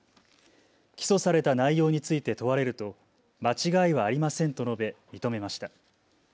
起訴された内容について問われると間違いはありませんと述べ認めました。